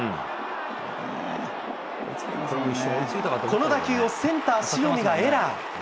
この打球をセンター、塩見がエラー。